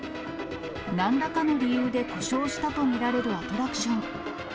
なんらかの理由で故障したと見られるアトラクション。